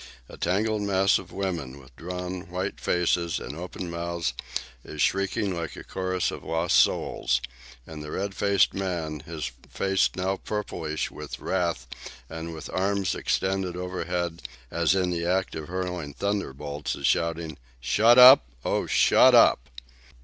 A tangled mass of women, with drawn, white faces and open mouths, is shrieking like a chorus of lost souls; and the red faced man, his face now purplish with wrath, and with arms extended overhead as in the act of hurling thunderbolts, is shouting, "Shut up! Oh, shut up!"